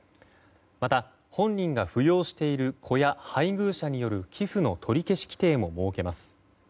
また、本人が扶養している子や配偶者による寄付の取り消し規定も設けます。